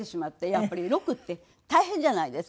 やっぱりロックって大変じゃないですか。